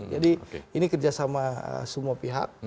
jadi ini kerjasama semua pihak